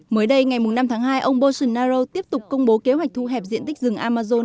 mới đây ngày năm tháng hai ông bolsonaro tiếp tục công bố kế hoạch thu hẹp diện tích rừng amazon